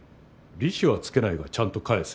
利子はつけないがちゃんと返せ。